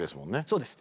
そうです。